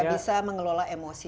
mungkin tidak bisa mengelola emosinya